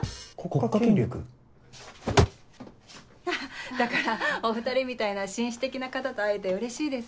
国家権力？だからお２人みたいな紳士的な方と会えてうれしいです。